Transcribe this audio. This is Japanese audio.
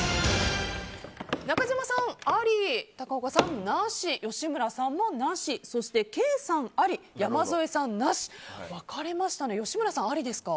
中島さん、あり高岡さん、なし吉村さんも、なしそしてケイさん、あり山添さん、なし分かれましたね。